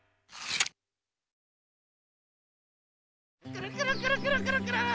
くるくるくるくるくるくる。